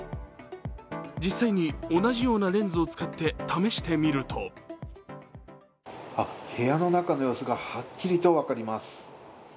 実際に同じようなレンズを使って試してみると部屋の中の様子がはっきりと分かります。